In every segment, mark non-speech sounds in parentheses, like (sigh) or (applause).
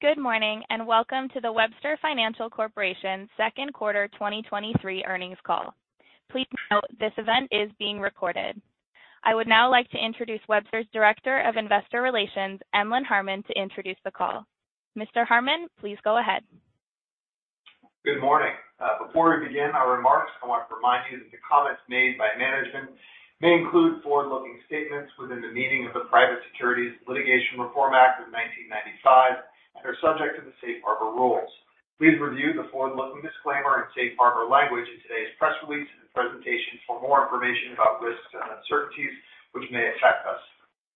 Good morning. Welcome to the Webster Financial Corporation Second Quarter 2023 Earnings Call. Please note, this event is being recorded. I would now like to introduce Webster's Director of Investor Relations, Emlen Harmon, to introduce the call. Mr. Harmon, please go ahead. Good morning. Before we begin our remarks, I want to remind you that the comments made by management may include forward-looking statements within the meaning of the Private Securities Litigation Reform Act of 1995 and are subject to the Safe Harbor rules. Please review the forward-looking disclaimer and Safe Harbor language in today's press release and presentation for more information about risks and uncertainties which may affect us.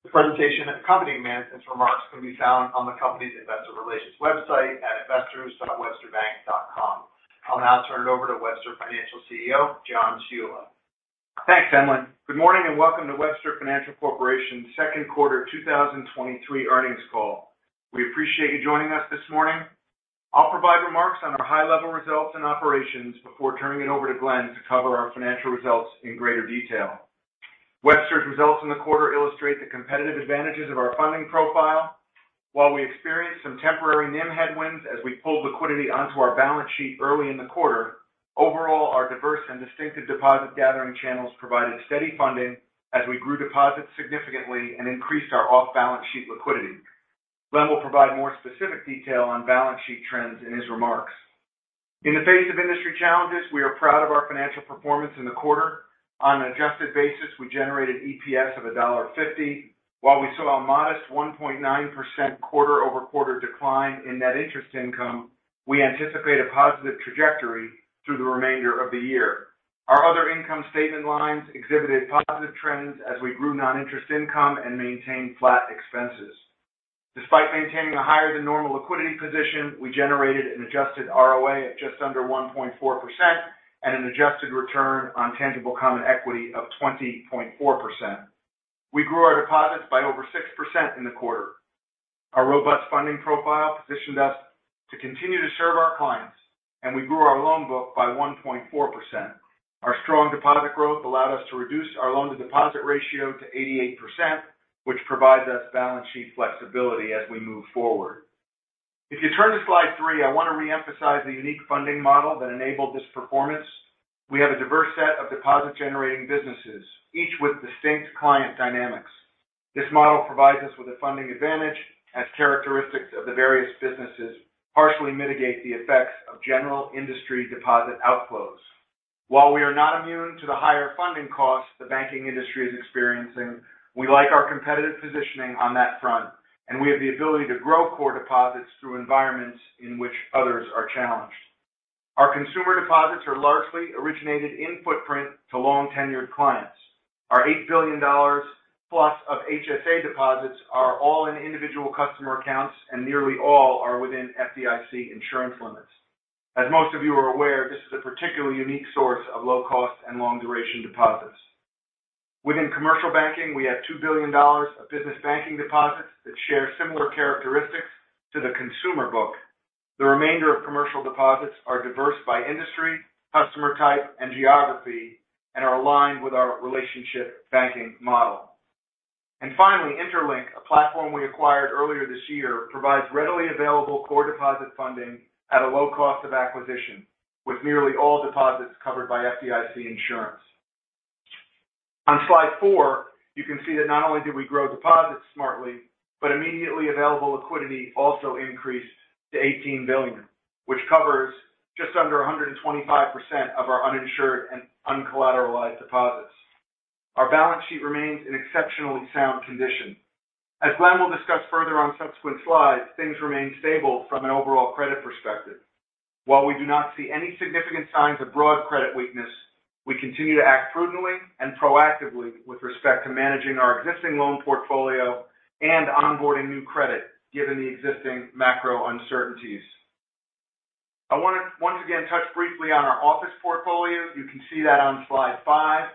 The presentation and accompanying management's remarks can be found on the company's investor relations website at investors.websterbank.com. I'll now turn it over to Webster Financial CEO, John Ciulla. Thanks, Emlen. Good morning, and welcome to Webster Financial Corporation's Second Quarter 2023 Earnings Call. We appreciate you joining us this morning. I'll provide remarks on our high-level results and operations before turning it over to Glenn to cover our financial results in greater detail. Webster's results in the quarter illustrate the competitive advantages of our funding profile. While we experienced some temporary NIM headwinds as we pulled liquidity onto our balance sheet early in the quarter, overall, our diverse and distinctive deposit gathering channels provided steady funding as we grew deposits significantly and increased our off-balance sheet liquidity. Glenn will provide more specific detail on balance sheet trends in his remarks. In the face of industry challenges, we are proud of our financial performance in the quarter. On an adjusted basis, we generated EPS of $1.50. While we saw a modest 1.9% quarter-over-quarter decline in Net Interest Income, we anticipate a positive trajectory through the remainder of the year. Our other income statement lines exhibited positive trends as we grew non-interest income and maintained flat expenses. Despite maintaining a higher than normal liquidity position, we generated an adjusted ROA at just under 1.4% and an adjusted return on Tangible Common Equity of 20.4%. We grew our deposits by over 6% in the quarter. Our robust funding profile positioned us to continue to serve our clients, and we grew our loan book by 1.4%. Our strong deposit growth allowed us to reduce our loan-to-deposit ratio to 88%, which provides us balance sheet flexibility as we move forward. If you turn to Slide 3, I want to reemphasize the unique funding model that enabled this performance. We have a diverse set of deposit-generating businesses, each with distinct client dynamics. This model provides us with a funding advantage, as characteristics of the various businesses partially mitigate the effects of general industry deposit outflows. While we are not immune to the higher funding costs the banking industry is experiencing, we like our competitive positioning on that front, and we have the ability to grow core deposits through environments in which others are challenged. Our consumer deposits are largely originated in footprint to long-tenured clients. Our $8 billion+ of HSA deposits are all in individual customer accounts, and nearly all are within FDIC insurance limits. As most of you are aware, this is a particularly unique source of low-cost and long-duration deposits. Within commercial banking, we have $2 billion of business banking deposits that share similar characteristics to the consumer book. The remainder of commercial deposits are diverse by industry, customer type, and geography, and are aligned with our relationship banking model. Finally, interLINK, a platform we acquired earlier this year, provides readily available core deposit funding at a low cost of acquisition, with nearly all deposits covered by FDIC insurance. On Slide 4, you can see that not only did we grow deposits smartly, but immediately available liquidity also increased to $18 billion, which covers just under 125% of our uninsured and uncollateralized deposits. Our balance sheet remains in exceptionally sound condition. As Glenn will discuss further on subsequent slides, things remain stable from an overall credit perspective. While we do not see any significant signs of broad credit weakness, we continue to act prudently and proactively with respect to managing our existing loan portfolio and onboarding new credit, given the existing macro uncertainties. I want to once again touch briefly on our office portfolio. You can see that on slide five,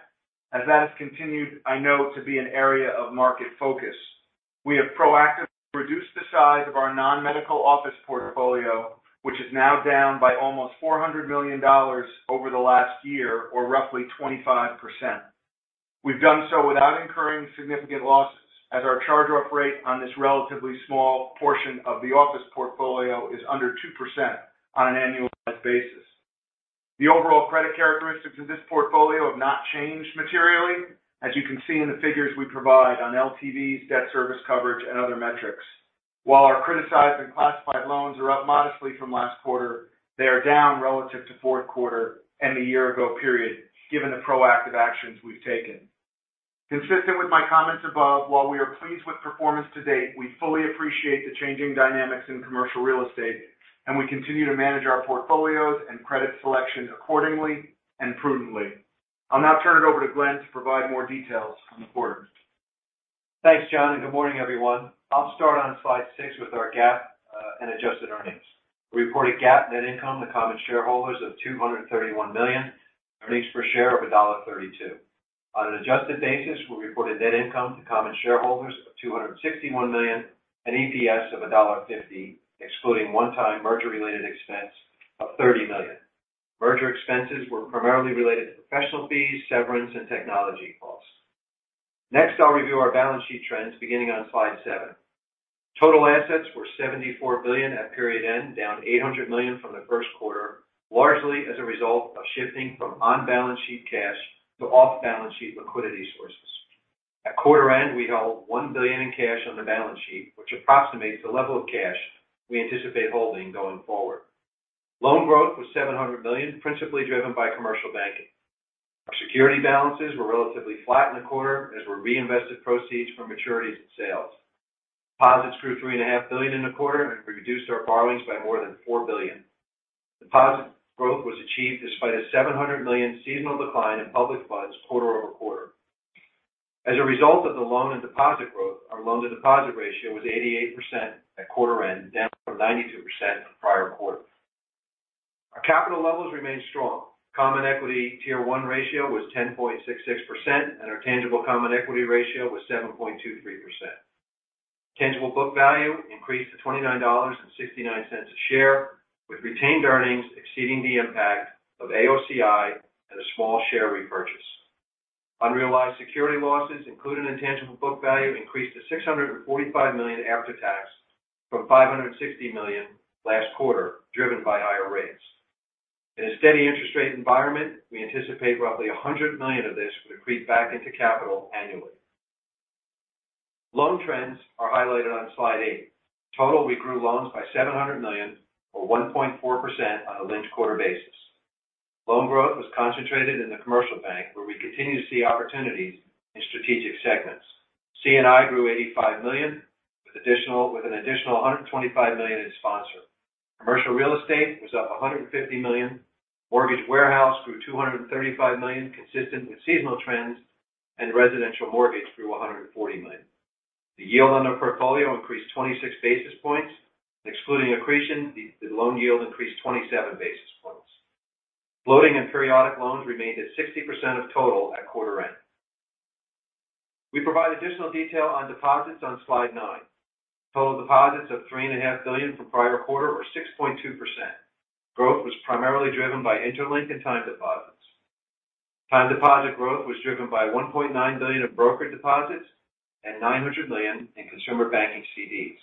as that has continued, I know, to be an area of market focus. We have proactively reduced the size of our non-medical office portfolio, which is now down by almost $400 million over the last year, or roughly 25%. We've done so without incurring significant losses, as our charge-off rate on this relatively small portion of the office portfolio is under 2% on an annualized basis. The overall credit characteristics of this portfolio have not changed materially, as you can see in the figures we provide on LTVs, debt service coverage, and other metrics. While our criticized and classified loans are up modestly from last quarter, they are down relative to fourth quarter and the year ago period, given the proactive actions we've taken. Consistent with my comments above, while we are pleased with performance to date, we fully appreciate the changing dynamics in commercial real estate, and we continue to manage our portfolios and credit selection accordingly and prudently. I'll now turn it over to Glenn to provide more details on the quarter. Thanks, John. Good morning, everyone. I'll start on Slide 6 with our GAAP and adjusted earnings. We reported GAAP net income to common shareholders of $231 million, earnings per share of $1.32. On an adjusted basis, we reported net income to common shareholders of $261 million and EPS of $1.50, excluding one-time merger-related expense of $30 million. Merger expenses were primarily related to professional fees, severance, and technology costs. I'll review our balance sheet trends, beginning on slide 7. Total assets were $74 billion at period end, down $800 million from the first quarter, largely as a result of shifting from on-balance sheet cash to off-balance sheet liquidity sources. At quarter end, we held $1 billion in cash on the balance sheet, which approximates the level of cash we anticipate holding going forward. Loan growth was $700 million, principally driven by commercial banking. Our security balances were relatively flat in the quarter, as were reinvested proceeds from maturities and sales. Deposits grew $3.5 billion in the quarter, and we reduced our borrowings by more than $4 billion. Deposit growth was achieved despite a $700 million seasonal decline in public funds quarter-over-quarter. As a result of the loan and deposit growth, our loan-to-deposit ratio was 88% at quarter end, down from 92% in the prior quarter. Our capital levels remain strong. Common Equity Tier 1 ratio was 10.66%, and our Tangible Common Equity ratio was 7.23%. Tangible book value increased to $29.69 a share, with retained earnings exceeding the impact of AOCI and a small share repurchase. Unrealized security losses, including intangible book value, increased to $645 million after tax from $560 million last quarter, driven by higher rates. In a steady interest rate environment, we anticipate roughly $100 million of this will accrete back into capital annually. Loan trends are highlighted on slide 8. Total, we grew loans by $700 million or 1.4% on a linked-quarter basis. Loan growth was concentrated in the commercial bank, where we continue to see opportunities in strategic segments. C&I grew $85 million, with an additional $125 million in sponsor. Commercial real estate was up $150 million. Mortgage warehouse grew $235 million, consistent with seasonal trends, and residential mortgage grew $140 million. The yield on our portfolio increased 26 basis points. Excluding accretion, the loan yield increased 27 basis points. Floating and periodic loans remained at 60% of total at quarter end. We provide additional detail on deposits on Slide 9. Total deposits of $3.5 billion from prior quarter were 6.2%. Growth was primarily driven by interLINK and time deposits. Time deposit growth was driven by $1.9 billion in broker deposits and $900 million in consumer banking CDs.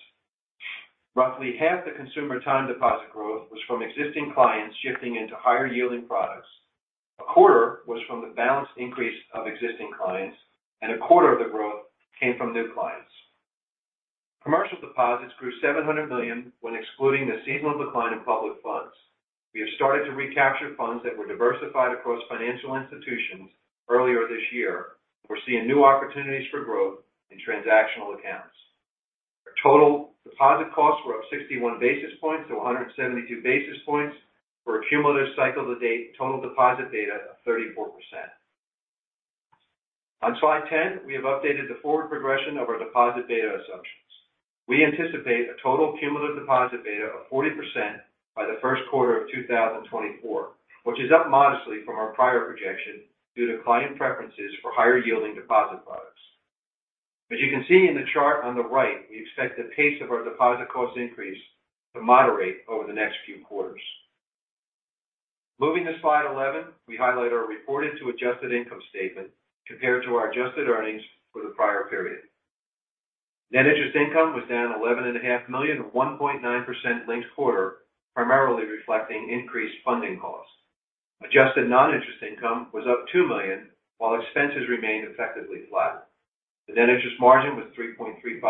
Roughly half the consumer time deposit growth was from existing clients shifting into higher-yielding products. A quarter was from the balance increase of existing clients, and a quarter of the growth came from new clients. Commercial deposits grew $700 million when excluding the seasonal decline in public funds. We have started to recapture funds that were diversified across financial institutions earlier this year. We're seeing new opportunities for growth in transactional accounts. Our total deposit costs were up 61 basis points to 172 basis points for a cumulative cycle to date total deposit data of 34%. On Slide 10, we have updated the forward progression of our deposit beta assumptions. We anticipate a total cumulative deposit beta of 40% by the first quarter of 2024, which is up modestly from our prior projection due to client preferences for higher-yielding deposit products. As you can see in the chart on the right, we expect the pace of our deposit cost increase to moderate over the next few quarters. Moving to Slide 11, we highlight our reported to adjusted income statement compared to our adjusted earnings for the prior period. Net Interest Income was down $11.5 million, or 1.9% linked quarter, primarily reflecting increased funding costs. Adjusted non-interest income was up $2 million, while expenses remained effectively flat. The Net Interest Margin was 3.35%,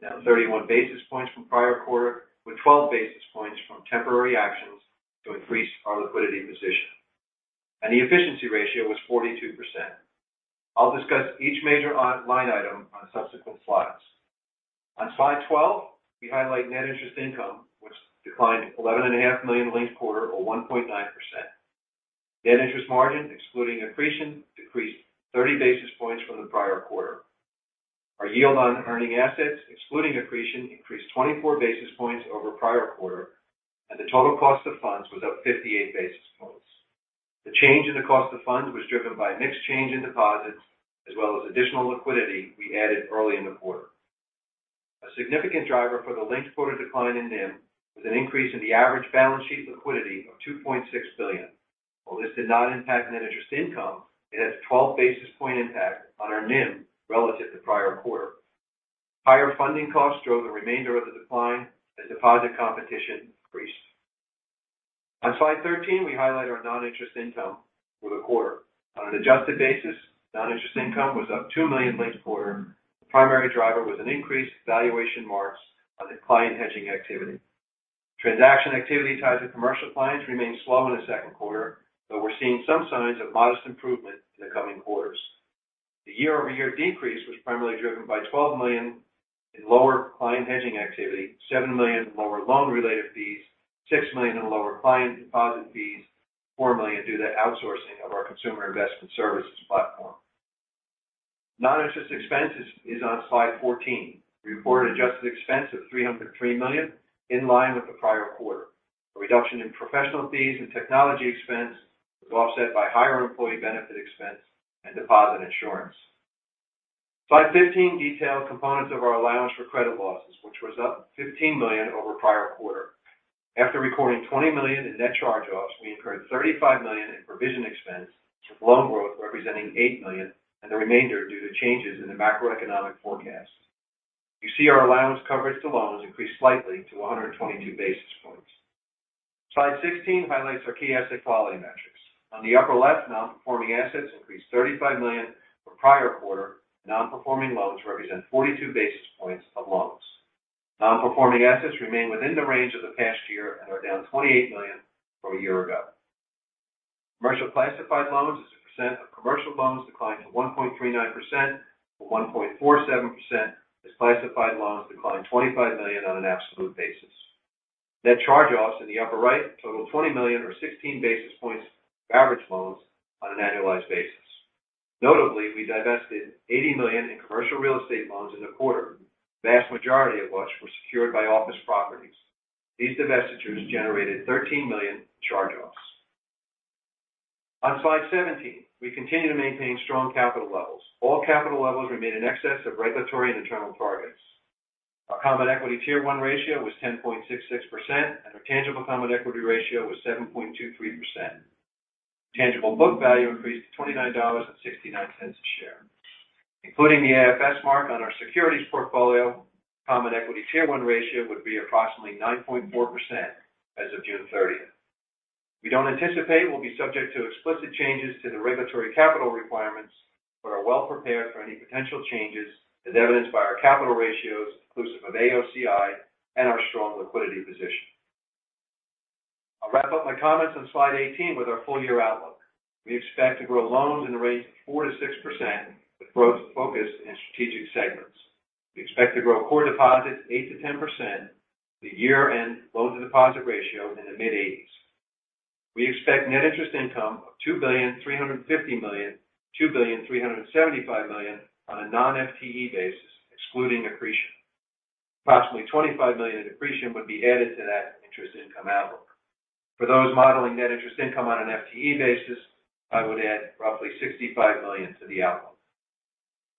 down 31 basis points from prior quarter, with 12 basis points from temporary actions to increase our liquidity position. The efficiency ratio was 42%. I'll discuss each major line item on subsequent slides. On slide 12, we highlight Net Interest Income, which declined $11.5 million linked quarter, or 1.9%. Net Interest Margin, excluding accretion, decreased 30 basis points from the prior quarter. Our yield on earning assets, excluding accretion, increased 24 basis points over prior quarter, and the total cost of funds was up 58 basis points. The change in the cost of funds was driven by a mix change in deposits, as well as additional liquidity we added early in the quarter. A significant driver for the linked-quarter decline in NIM was an increase in the average balance sheet liquidity of $2.6 billion. While this did not impact Net Interest Income, it has 12 basis point impact on our NIM relative to prior quarter. Higher funding costs drove the remainder of the decline as deposit competition increased. On Slide 13, we highlight our non-interest income for the quarter. On an adjusted basis, non-interest income was up $2 million linked-quarter. The primary driver was an increased valuation marks on the client hedging activity. Transaction activity tied to commercial clients remained slow in the second quarter, but we're seeing some signs of modest improvement in the coming quarters. The year-over-year decrease was primarily driven by $12 million in lower client hedging activity, $7 million in lower loan-related fees, $6 million in lower client deposit fees, $4 million due to the outsourcing of our consumer investment services platform. Non-interest expenses is on slide 14. Reported adjusted expense of $303 million, in line with the prior quarter. A reduction in professional fees and technology expense was offset by higher employee benefit expense and deposit insurance. Slide 15 details components of our allowance for credit losses, which was up $15 million over prior quarter. After recording $20 million in net charge-offs, we incurred $35 million in provision expense, with loan growth representing $8 million, and the remainder due to changes in the macroeconomic forecast. You see our allowance coverage to loans increased slightly to 122 basis points. Slide 16 highlights our key asset quality metrics. On the upper left, nonperforming assets increased $35 million from prior quarter. Nonperforming loans represent 42 basis points of loans. Nonperforming assets remain within the range of the past year and are down $28 million from a year ago. Commercial classified loans as a percent of commercial loans declined to 1.39% from 1.47%, as classified loans declined $25 million on an absolute basis. Net charge-offs in the upper right total $20 million or 16 basis points of average loans on an annualized basis. Notably, we divested $80 million in commercial real estate loans in the quarter, vast majority of which were secured by office properties. These divestitures generated $13 million charge-offs. On Slide 17, we continue to maintain strong capital levels. All capital levels remain in excess of regulatory and internal targets. Our Common Equity Tier 1 ratio was 10.66%, and our Tangible Common Equity ratio was 7.23%. Tangible book value increased to $29.69 a share. Including the AFS mark on our securities portfolio, Common Equity Tier 1 ratio would be approximately 9.4% as of June 30th. We don't anticipate we'll be subject to explicit changes to the regulatory capital requirements, but are well prepared for any potential changes, as evidenced by our capital ratios, inclusive of AOCI and our strong liquidity position. I'll wrap up my comments on Slide 18 with our full year outlook. We expect to grow loans in the range of 4%-6%, with growth focused in strategic segments. We expect to grow core deposits 8%-10%, the year-end loan-to-deposit ratio in the mid-80s. We expect net interest income of $2.35 billion-$2.375 billion on a non-FTE basis, excluding accretion. Approximately $25 million in accretion would be added to that interest income outlook. For those modeling net interest income on an FTE basis, I would add roughly $65 million to the outlook.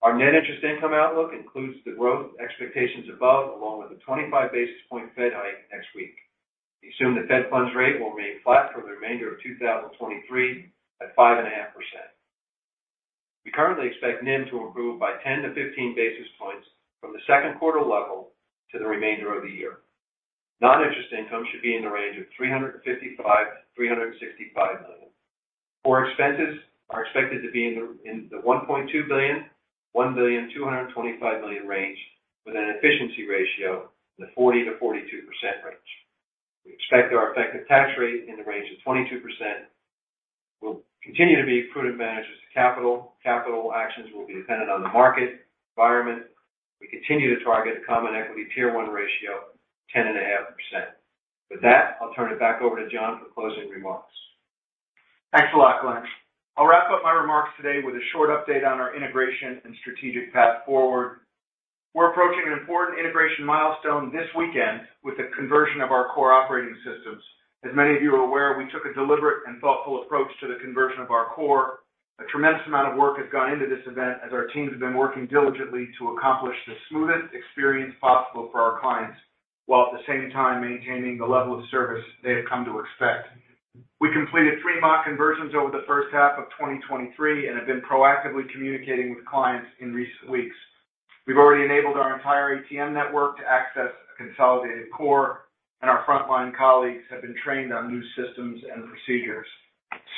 Our net interest income outlook includes the growth expectations above, along with a 25 basis point Fed hike next week. We assume the Fed funds rate will remain flat for the remainder of 2023 at 5.5%. We currently expect NIM to improve by 10-15 basis points from the second quarter level to the remainder of the year. Non-interest income should be in the range of $355 million-$365 million. Core expenses are expected to be in the $1.2 billion-$1,225 million range, with an efficiency ratio in the 40%-42% range. We expect our effective tax rate in the range of 22%. We'll continue to be prudent managers to capital. Capital actions will be dependent on the market environment. We continue to target Common Equity Tier 1 ratio 10.5%. With that, I'll turn it back over to John for closing remarks. Thanks a lot, Glenn. I'll wrap up my remarks today with a short update on our integration and strategic path forward. We're approaching an important integration milestone this weekend with the conversion of our core operating systems. As many of you are aware, we took a deliberate and thoughtful approach to the conversion of our core. A tremendous amount of work has gone into this event, as our teams have been working diligently to accomplish the smoothest experience possible for our clients, while at the same time maintaining the level of service they have come to expect. We completed three mock conversions over the first half of 2023 and have been proactively communicating with clients in recent weeks. We've already enabled our entire ATM network to access a consolidated core, and our frontline colleagues have been trained on new systems and procedures.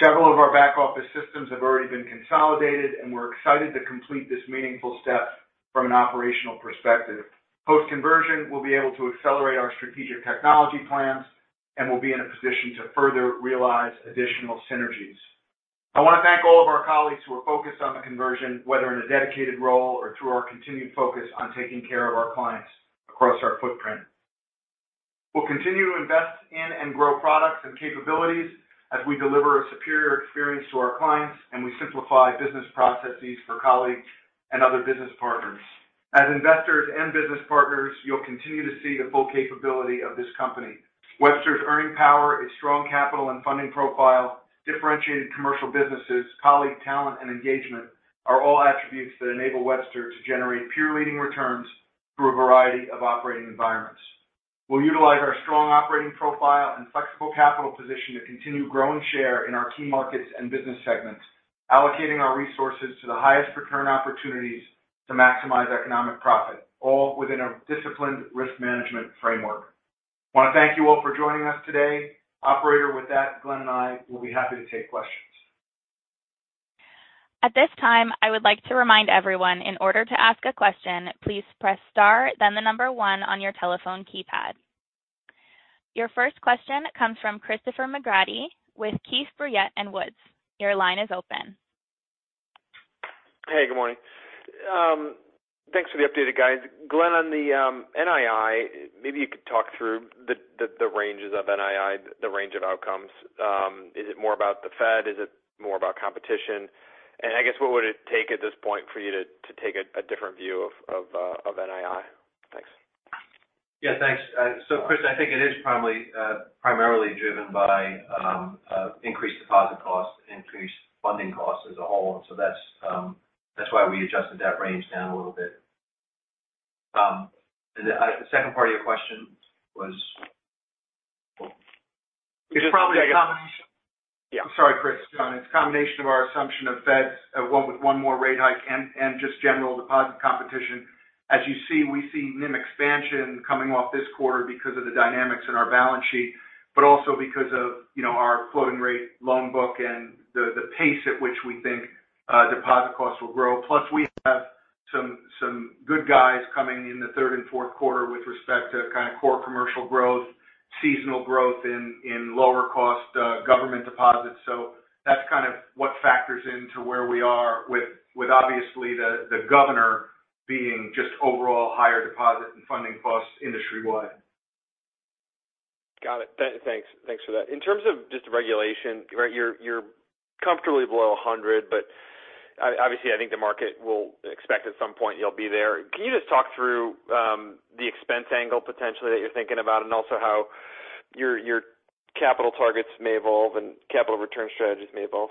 Several of our back-office systems have already been consolidated, and we're excited to complete this meaningful step from an operational perspective. Post-conversion, we'll be able to accelerate our strategic technology plans and will be in a position to further realize additional synergies. I want to thank all of our colleagues who are focused on the conversion, whether in a dedicated role or through our continued focus on taking care of our clients across our footprint. We'll continue to invest in and grow products and capabilities as we deliver a superior experience to our clients, and we simplify business processes for colleagues and other business partners. As investors and business partners, you'll continue to see the full capability of this company. Webster's earning power, its strong capital and funding profile, differentiated commercial businesses, colleague talent, and engagement are all attributes that enable Webster to generate peer-leading returns through a variety of operating environments. We'll utilize our strong operating profile and flexible capital position to continue growing share in our key markets and business segments, allocating our resources to the highest return opportunities to maximize economic profit, all within a disciplined risk management framework. I want to thank you all for joining us today. Operator, with that, Glenn and I will be happy to take questions. At this time, I would like to remind everyone, in order to ask a question, please press star, then the number one on your telephone keypad. Your first question comes from Chris McGratty with Keefe, Bruyette & Woods. Your line is open. Hey, good morning. Thanks for the update, guys. Glenn, on the NII, maybe you could talk through the ranges of NII, the range of outcomes. Is it more about the Fed? Is it more about competition? I guess, what would it take at this point for you to take a different view of NII? Thanks. Yeah, thanks. Chris, I think it is probably primarily driven by increased deposit costs, increased funding costs as a whole. That's why we adjusted that range down a little bit. The second part of your question was? It's probably a combination. Yeah. I'm sorry, Chris. It's a combination of our assumption of feds going with one more rate hike and just general deposit competition. As you see, we see NIM expansion coming off this quarter because of the dynamics in our balance sheet, but also because of, you know, our floating rate loan book and the pace at which we think deposit costs will grow. Plus, we have some good guys coming in the 3rd and 4th quarter with respect to kind of core commercial growth, seasonal growth in lower cost government deposits. That's kind of what factors into where we are with obviously the governor being just overall higher deposit and funding costs industry-wide. Got it. Thanks. Thanks for that. In terms of just regulation, right, you're comfortably below 100, but obviously, I think the market will expect at some point you'll be there. Can you just talk through the expense angle potentially, that you're thinking about, and also how your capital targets may evolve and capital return strategies may evolve?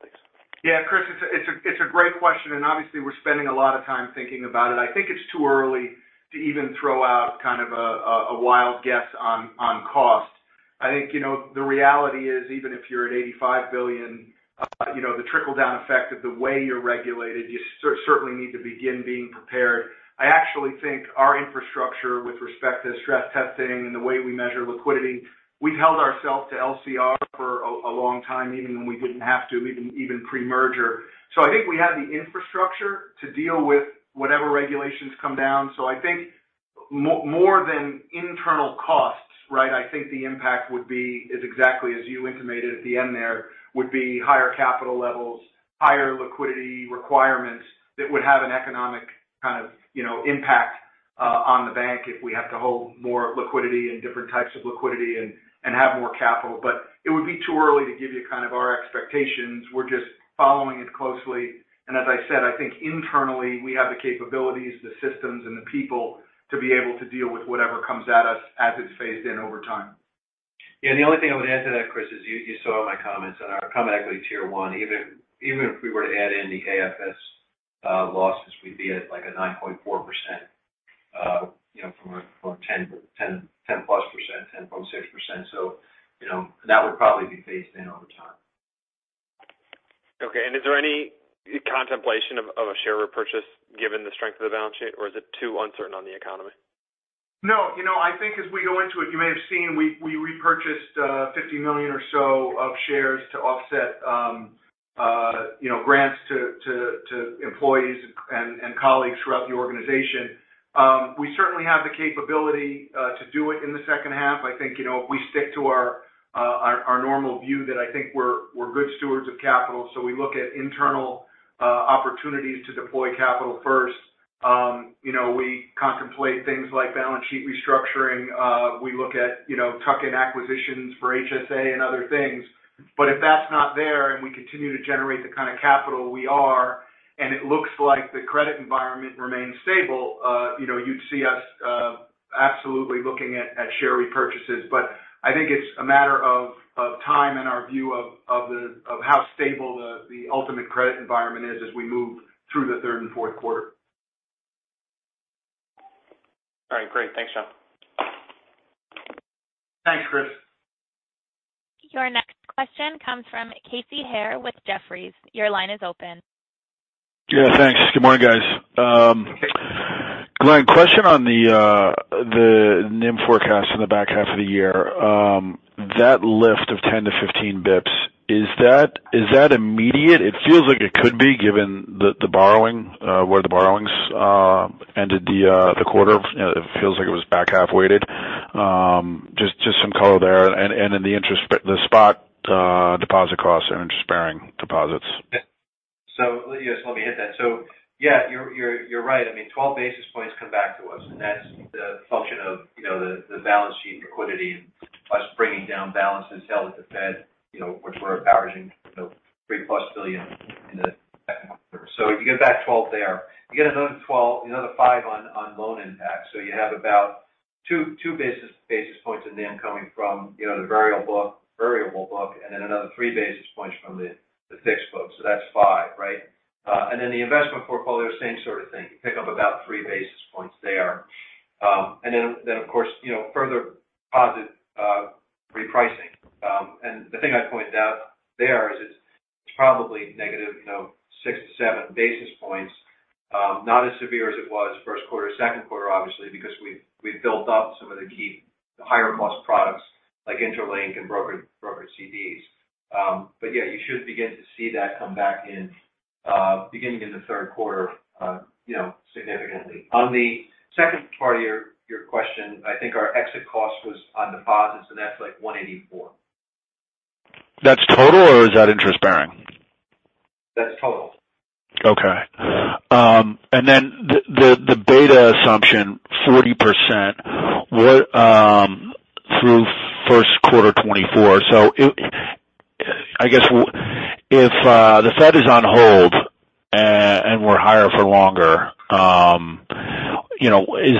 Thanks. Yeah, Chris, it's a great question, and obviously we're spending a lot of time thinking about it. I think it's too early to even throw out kind of a wild guess on cost. I think, you know, the reality is, even if you're at $85 billion, you know, the trickle-down effect of the way you're regulated, you certainly need to begin being prepared. I actually think our infrastructure, with respect to stress testing and the way we measure liquidity, we've held ourselves to LCR for a long time, even when we didn't have to, pre-merger. I think we have the infrastructure to deal with whatever regulations come down. I think more than internal costs, right, I think the impact would be, is exactly as you intimated at the end there, would be higher capital levels, higher liquidity requirements that would have an economic kind of, you know, impact on the bank if we have to hold more liquidity and different types of liquidity and have more capital. It would be too early to give you kind of our expectations. We're just following it closely. As I said, I think internally we have the capabilities, the systems and the people to be able to deal with whatever comes at us as it's phased in over time. The only thing I would add to that, Chris, is you saw in my comments on our Common Equity Tier 1, even if we were to add in the AFS losses, we'd be at, like, a 9.4%, you know, from 10+%, 10.6%. You know, that would probably be phased in over time. Okay. Is there any contemplation of a share repurchase, given the strength of the balance sheet, or is it too uncertain on the economy? You know, I think as we go into it, you may have seen, we repurchased $50 million or so of shares to offset, you know, grants to employees and colleagues throughout the organization. We certainly have the capability to do it in the second half. I think, you know, if we stick to our normal view that I think we're good stewards of capital, so we look at internal opportunities to deploy capital first. You know, we contemplate things like balance sheet restructuring. We look at, you know, tuck-in acquisitions for HSA and other things. If that's not there and we continue to generate the kind of capital we are, and it looks like the credit environment remains stable, you know, you'd see us absolutely looking at share repurchases. I think it's a matter of time and our view of the, of how stable the ultimate credit environment is as we move through the third and fourth quarter. All right, great. Thanks, John. Thanks, Chris. Your next question comes from Casey Haire with Jefferies. Your line is open. Thanks. Good morning, guys. Glenn, question on the NIM forecast in the back half of the year. That lift of 10-15 basis points, is that immediate? It feels like it could be, given the borrowing where the borrowings ended the quarter. It feels like it was back half weighted. Just some color there. In the interest the spot deposit costs and interest-bearing deposits. Yes, let me hit that. Yeah, you're right. I mean, 12 basis points come back to us, and that's the function of, you know, the balance sheet liquidity and us bringing down balances held at the Fed, you know, which we're averaging, you know, $3+ billion in the second quarter. You get back 12 there. You get another 12, another 5 on loan impact. You have about 2 basis points in NIM coming from, you know, the variable book, and then another 3 basis points from the fixed book. That's 5, right? The investment portfolio, same sort of thing. You pick up about 3 basis points there. Of course, you know, further deposit repricing. The thing I pointed out there is it's probably negative, you know, 6–7 basis points. Not as severe as it was first quarter, second quarter, obviously, because we've built up some of the key higher cost products like interLINK and broker CDs. Yeah, you should begin to see that come back in, beginning in the third quarter, you know, significantly. On the second part of your question, I think our exit cost was on deposits, and that's like 184. That's total or is that interest-bearing? That's total. (audio distortion) beta assumption, 40%, what through first quarter 2024? I guess if the Fed is on hold and we're higher for longer, you know, is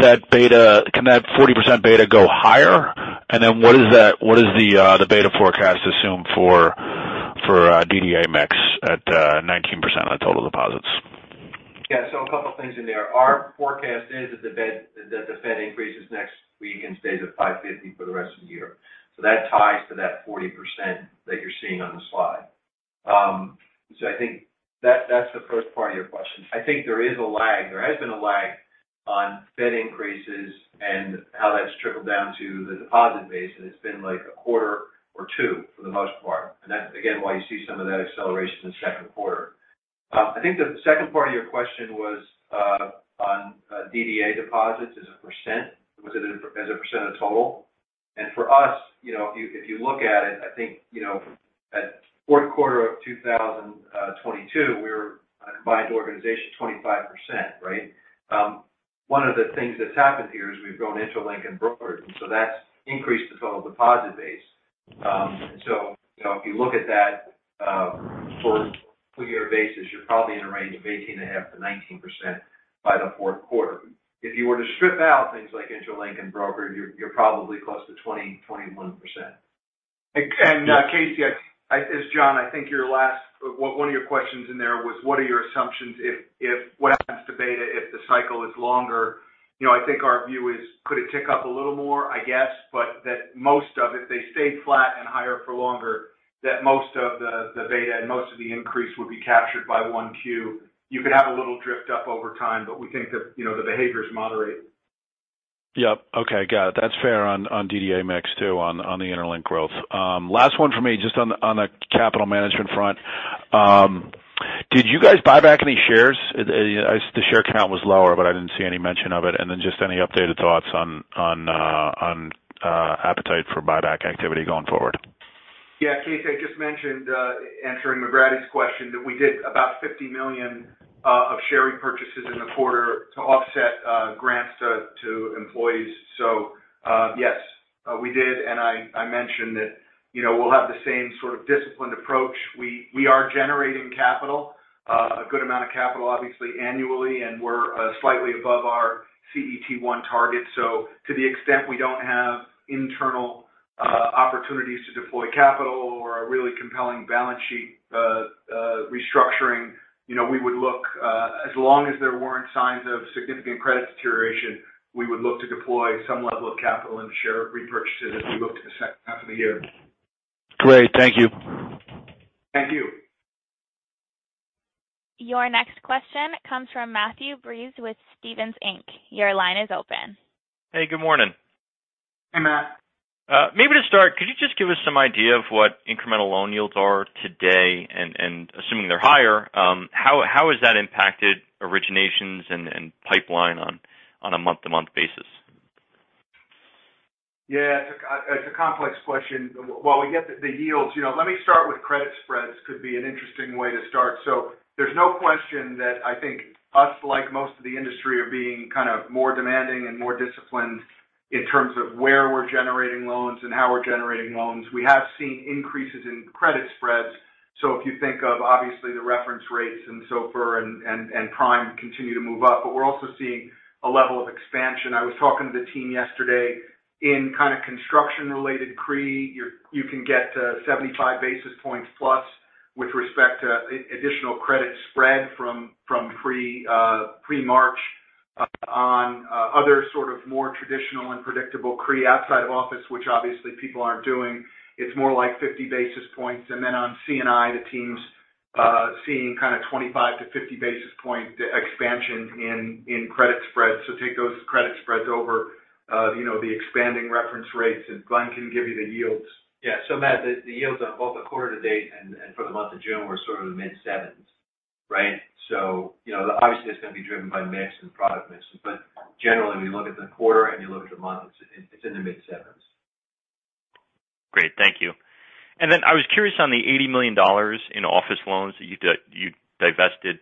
that beta, can that 40% beta go higher? And then what does the beta forecast assume for DDA mix at 19% on total deposits Yeah. A couple of things in there. Our forecast is that the Fed increases next week and stays at 5.50 for the rest of the year. That ties to that 40% that you're seeing on the slide. I think that's the first part of your question. I think there is a lag. There has been a lag on Fed increases and how that's trickled down to the deposit base, and it's been like a quarter or 2 for the most part, and that's again, why you see some of that acceleration in the second quarter. I think the second part of your question was on DDA deposits as a percent. Was it as a percent of total? For us, you know, if you, if you look at it, I think, you know, at fourth quarter of 2022, we were a combined organization, 25%, right? One of the things that's happened here is we've grown interLINK and brokerage, and so that's increased the total deposit base. You know, if you look at that, full year basis, you're probably in a range of 18.5%-19% by the fourth quarter. If you were to strip out things like interLINK and brokerage, you're probably close to 20%-21%. Casey, it's John. I think one of your questions in there was what are your assumptions if what happens to beta if the cycle is longer? You know, I think our view is, could it tick up a little more? I guess, but that most of if they stayed flat and higher for longer, that most of the beta and most of the increase would be captured by Q1. You could have a little drift up over time, but we think that, you know, the behavior is moderate. Yep. Okay, got it. That's fair on DDA mix, too, on the interLINK growth. Last one for me, just on the, on the capital management front. Did you guys buy back any shares? The share count was lower, but I didn't see any mention of it. Then just any updated thoughts on appetite for buyback activity going forward? Casey, I just mentioned, answering McGratty's question, that we did about $50 million of share repurchases in the quarter to offset grants to employees. Yes, we did. I mentioned that, you know, we'll have the same sort of disciplined approach. We are generating capital, a good amount of capital, obviously, annually, and we're slightly above our CET1 target. To the extent we don't have internal opportunities to deploy capital or a really compelling balance sheet restructuring, you know, we would look, as long as there weren't signs of significant credit deterioration, we would look to deploy some level of capital into share repurchases as we look to the second half of the year. Great. Thank you. Thank you. Your next question comes from Matthew Breese with Stephens Inc.. Your line is open. Hey, good morning. Hey, Matt. Maybe to start, could you just give us some idea of what incremental loan yields are today? Assuming they're higher, how has that impacted originations and pipeline on a month-to-month basis? Yeah, it's a complex question. Well, we get the yields. You know, let me start with credit spreads could be an interesting way to start. There's no question that I think us, like most of the industry, are being kind of more demanding and more disciplined in terms of where we're generating loans and how we're generating loans. We have seen increases in credit spreads. If you think of obviously the reference rates and so forth, and prime continue to move up, but we're also seeing a level of expansion. I was talking to the team yesterday in kind of construction-related CRE. You can get 75 basis points plus with respect to additional credit spread from pre-March on other sort of more traditional and predictable CRE outside of office, which obviously people aren't doing, it's more like 50 basis points. On C&I, the team's seeing kind of 25–50 basis point expansion in credit spreads. Take those credit spreads over, you know, the expanding reference rates, and Glenn can give you the yields. Yeah. Matt, the yields on both the quarter to date and for the month of June were sort of the mid sevens, right? You know, obviously, that's going to be driven by mix and product mix. Generally, when you look at the quarter and you look at the month, it's in the mid sevens. Great. Thank you. I was curious on the $80 million in office loans that you divested.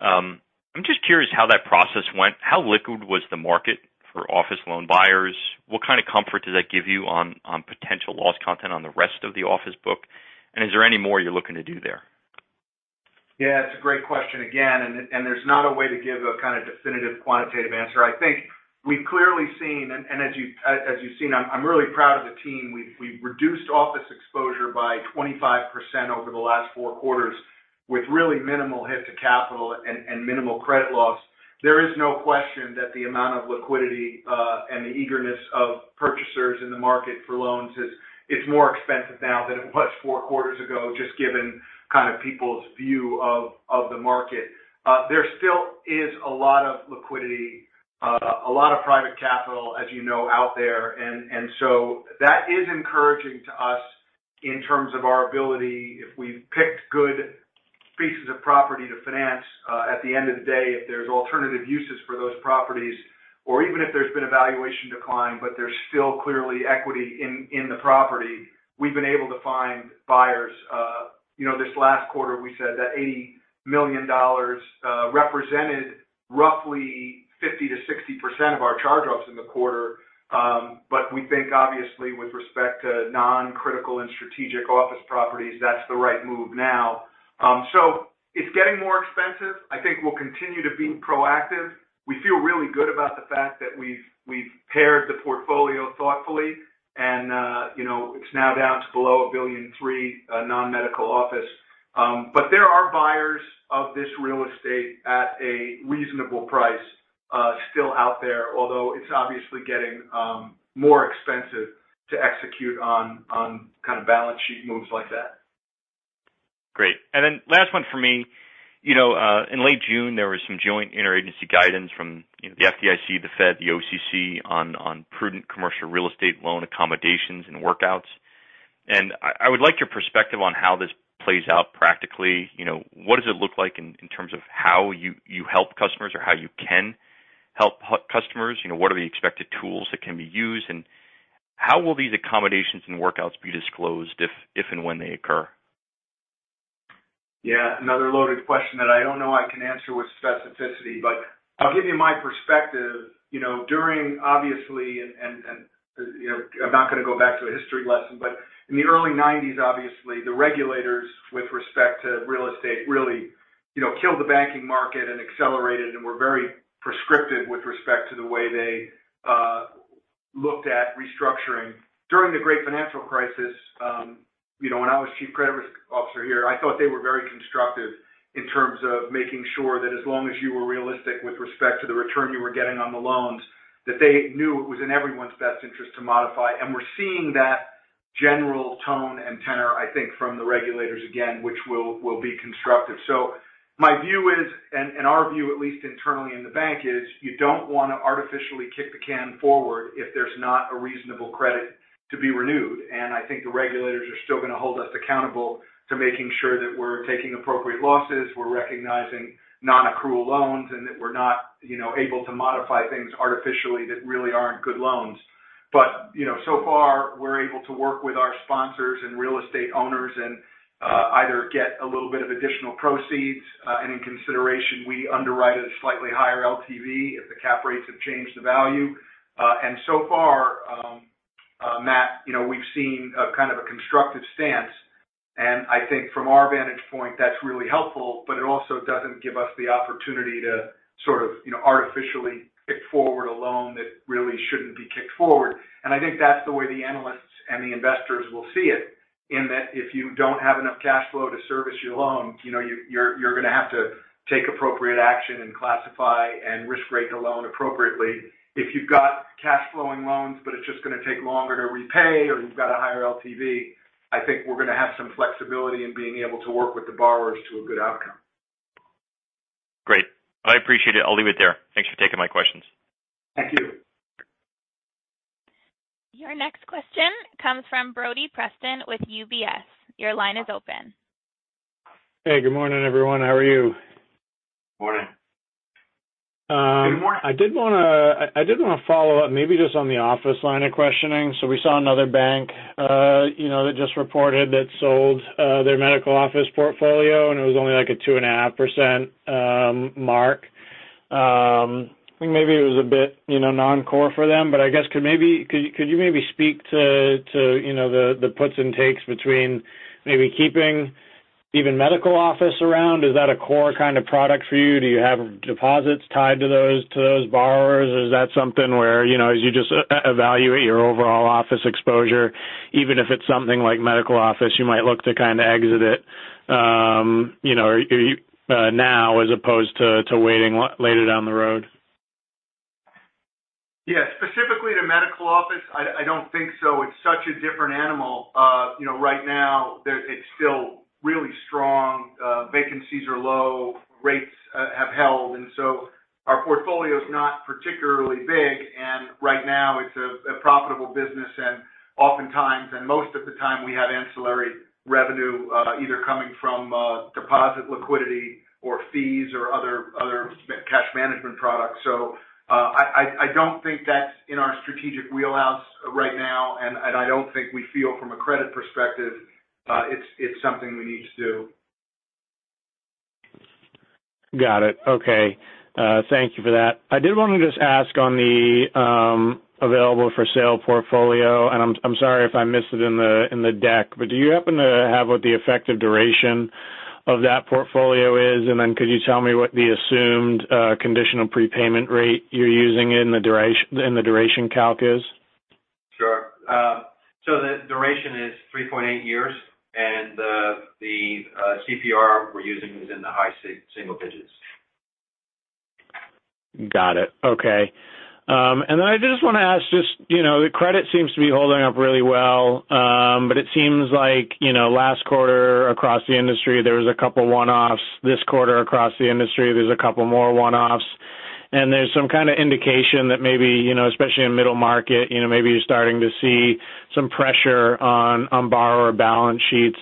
I'm just curious how that process went. How liquid was the market for office loan buyers? What kind of comfort does that give you on potential loss content on the rest of the office book? Is there any more you're looking to do there? Yeah, it's a great question again, and there's not a way to give a kind of definitive, quantitative answer. I think we've clearly seen, and as you've seen, I'm really proud of the team. We've reduced office exposure by 25% over the last four quarters with really minimal hit to capital and minimal credit loss. There is no question that the amount of liquidity, and the eagerness of purchasers in the market for loans is it's more expensive now than it was four quarters ago, just given kind of people's view of the market. There still is a lot of liquidity, a lot of private capital, as you know, out there, and so that is encouraging to us in terms of our ability. If we've picked good pieces of property to finance, at the end of the day, if there's alternative uses for those properties or even if there's been a valuation decline, but there's still clearly equity in the property, we've been able to find buyers. You know, this last quarter, we said that $80 million represented roughly 50%-60% of our charge-offs in the quarter. We think obviously with respect to non-critical and strategic office properties, that's the right move now. It's getting more expensive. I think we'll continue to be proactive. We feel really good about the fact that we've paired the portfolio thoughtfully and, you know, it's now down to below $1.3 billion non-medical office. There are buyers of this real estate at a reasonable price, still out there, although it's obviously getting more expensive to execute on kind of balance sheet moves like that. Last one for me. You know, in late June, there was some joint interagency guidance from, you know, the FDIC, the Fed, the OCC, on prudent commercial real estate loan accommodations and workouts. I would like your perspective on how this plays out practically. You know, what does it look like in terms of how you help customers or how you can help customers? You know, what are the expected tools that can be used, and how will these accommodations and workouts be disclosed if and when they occur? Yeah, another loaded question that I don't know I can answer with specificity, but I'll give you my perspective. You know, during obviously, and, you know, I'm not gonna go back to a history lesson, but in the early 90s, obviously, the regulators, with respect to real estate, really, you know, killed the banking market and accelerated and were very prescriptive with respect to the way they looked at restructuring. During the great financial crisis, you know, when I was chief credit risk officer here, I thought they were very constructive in terms of making sure that as long as you were realistic with respect to the return you were getting on the loans, that they knew it was in everyone's best interest to modify. We're seeing that general tone and tenor, I think, from the regulators, again, which will be constructive. My view is, and our view, at least internally in the bank, is you don't wanna artificially kick the can forward if there's not a reasonable credit to be renewed. I think the regulators are still gonna hold us accountable to making sure that we're taking appropriate losses, we're recognizing nonaccrual loans, and that we're not, you know, able to modify things artificially that really aren't good loans. You know, so far, we're able to work with our sponsors and real estate owners and either get a little bit of additional proceeds, and in consideration, we underwrite at a slightly higher LTV if the cap rates have changed the value. So far, Matt, you know, we've seen a kind of a constructive stance, and I think from our vantage point, that's really helpful, but it also doesn't give us the opportunity to sort of, you know, artificially kick forward a loan that really shouldn't be kicked forward. I think that's the way the analysts and the investors will see it, in that if you don't have enough cash flow to service your loan, you know, you're gonna have to take appropriate action and classify and risk rate the loan appropriately. If you've got cash flowing loans, but it's just gonna take longer to repay or you've got a higher LTV, I think we're gonna have some flexibility in being able to work with the borrowers to a good outcome. Great. I appreciate it. I'll leave it there. Thanks for taking my questions. Thank you. Your next question comes from Brody Preston with UBS. Your line is open. Hey, good morning, everyone. How are you? Morning. Good morning. I did wanna follow up maybe just on the office line of questioning. We saw another bank, you know, that just reported that sold their medical office portfolio, and it was only, like, a 2.5% mark. I think maybe it was a bit, you know, non-core for them, but I guess could you maybe speak to, you know, the puts and takes between maybe keeping even medical office around? Is that a core kind of product for you? Do you have deposits tied to those borrowers, or is that something where, you know, as you just evaluate your overall office exposure, even if it's something like medical office, you might look to kind of exit it, you know, are you now as opposed to waiting later down the road? Yeah. Specifically to medical office, I don't think so. It's such a different animal. you know, right now, it's still really strong. Vacancies are low, rates have held, our portfolio is not particularly big, and right now it's a profitable business. Oftentimes, and most of the time, we have ancillary revenue, either coming from deposit liquidity or fees or other cash management products. I, I don't think that's in our strategic wheelhouse right now, and I don't think we feel from a credit perspective, it's something we need to do. Got it. Okay. Thank you for that. I did wanna just ask on the available-for-sale portfolio, and I'm sorry if I missed it in the, in the deck, but do you happen to have what the effective duration of that portfolio is? Could you tell me what the assumed conditional prepayment rate you're using in the duration calc is? Sure. The duration is 3.8 years, and the CPR we're using is in the high single digits. Got it. Okay. Then I just wanna ask just, you know, the credit seems to be holding up really well, but it seems like, you know, last quarter across the industry, there was a couple one-offs. This quarter across the industry, there's a couple more one-offs. There's some kind of indication that maybe, you know, especially in middle market, you know, maybe you're starting to see some pressure on borrower balance sheets.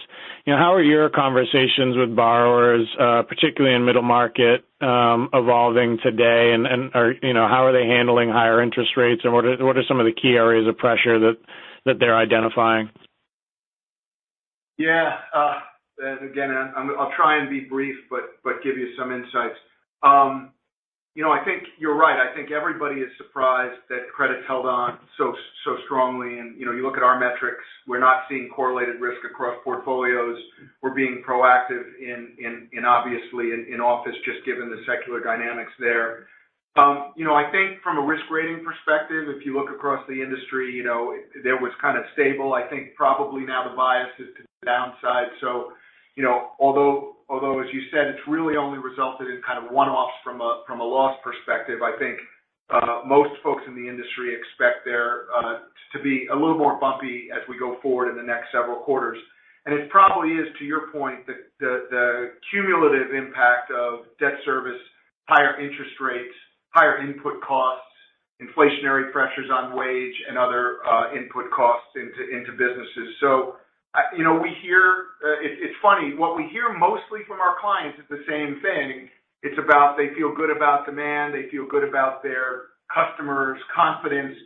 You know, how are your conversations with borrowers, particularly in middle market, evolving today, and, or, you know, how are they handling higher interest rates, and what are some of the key areas of pressure that they're identifying? Yeah, and again, I'll try and be brief, but give you some insights. You know, I think you're right. I think everybody is surprised that credit's held on so strongly. You know, you look at our metrics, we're not seeing correlated risk across portfolios. We're being proactive in obviously in office, just given the secular dynamics there. You know, I think from a risk rating perspective, if you look across the industry, you know, there was kind of stable. I think probably now the bias is to downside. You know, although, as you said, it's really only resulted in kind of one-offs from a loss perspective. I think most folks in the industry expect there to be a little more bumpy as we go forward in the next several quarters. It probably is, to your point, the cumulative impact of debt service, higher interest rates, higher input costs, inflationary pressures on wage and other input costs into businesses. You know, we hear, it's funny, what we hear mostly from our clients is the same thing. It's about they feel good about demand, they feel good about their customers' confidence.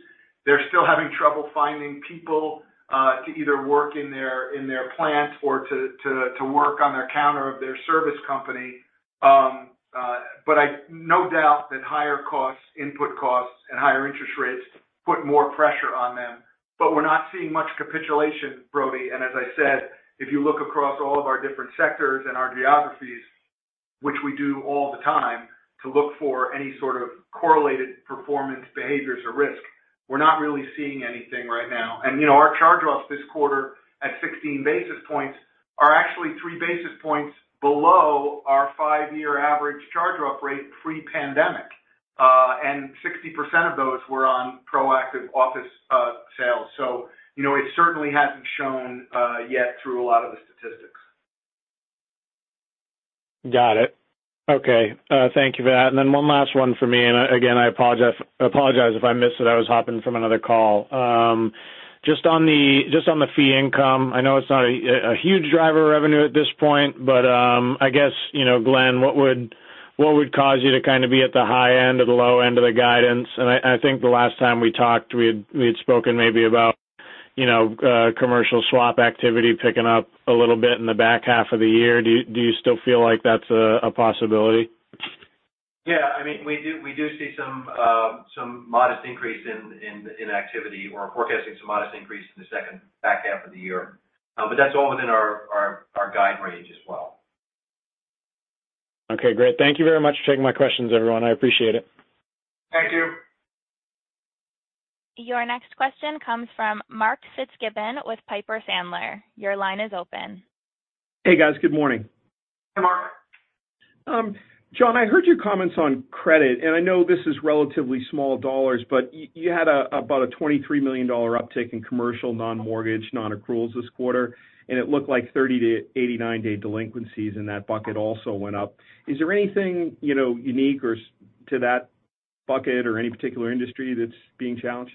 They're still having trouble finding people to either work in their plants or to work on their counter of their service company. No doubt that higher costs, input costs, and higher interest rates put more pressure on them. We're not seeing much capitulation, Brody. As I said, if you look across all of our different sectors and our geographies, which we do all the time, to look for any sort of correlated performance behaviors or risk, we're not really seeing anything right now. You know, our charge-offs this quarter at 16 basis points are actually 3 basis points below our five-year average charge-off rate, pre-pandemic. 60% of those were on proactive office sales. You know, it certainly hasn't shown yet through a lot of the statistics. Got it. Okay, thank you for that. Then one last one for me, and again, I apologize if I missed it. I was hopping from another call. Just on the fee income, I know it's not a huge driver of revenue at this point, but, I guess, you know, Glenn, what would cause you to kind of be at the high end or the low end of the guidance? I think the last time we talked, we had spoken maybe about, you know, commercial swap activity picking up a little bit in the back half of the year. Do you still feel like that's a possibility? Yeah, I mean, we do see some modest increase in activity or forecasting some modest increase in the second back half of the year. That's all within our guide range as well. Okay, great. Thank you very much for taking my questions, everyone. I appreciate it. Thank you. Your next question comes from Mark Fitzgibbon with Piper Sandler. Your line is open. Hey, guys. Good morning. Hey, Mark. John, I heard your comments on credit, and I know this is relatively small dollars, but you had a, about a $23 million uptick in commercial non-mortgage, non-accruals this quarter, and it looked like 30 to 89 day delinquencies in that bucket also went up. Is there anything, you know, unique or to that bucket or any particular industry that's being challenged?